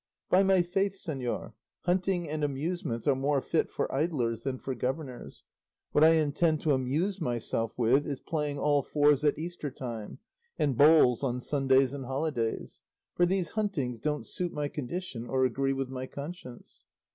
By my faith, señor, hunting and amusements are more fit for idlers than for governors; what I intend to amuse myself with is playing all fours at Eastertime, and bowls on Sundays and holidays; for these huntings don't suit my condition or agree with my conscience."